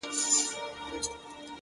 پوهه د ذهني ودې زینه ده!.